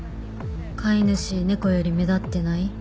「飼い主猫より目立ってない？」